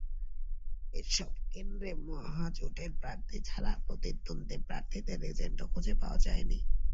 এসব কেন্দ্রে মহাজোটের প্রার্থী ছাড়া প্রতিদ্বন্দ্বী প্রার্থীদের এজেন্টও খুঁজে পাওয়া যায়নি।